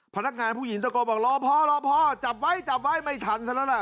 พนักงานผู้หญิงตะโกนบอกรอพอรอพอจับไว้จับไว้ไม่ทันซะแล้วล่ะ